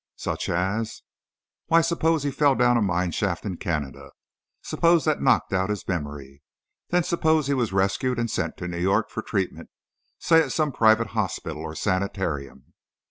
"Such as?" "Why, suppose he fell down a mine shaft in Canada. Suppose that knocked out his memory. Then suppose he was rescued and sent to New York for treatment, say, at some private hospital or sanitarium.